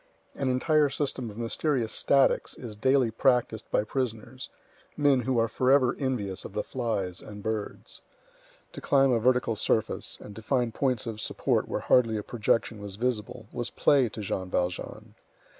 An entire system of mysterious statics is daily practised by prisoners, men who are forever envious of the flies and birds. To climb a vertical surface, and to find points of support where hardly a projection was visible, was play to Jean Valjean.